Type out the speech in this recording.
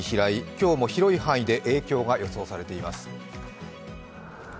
今日も広い範囲で影響が予想されています。